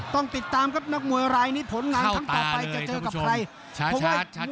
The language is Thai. ต้องติดตามครับนักมวยรายนี้ผลงานครั้งต่อไปจะเจอกับใคร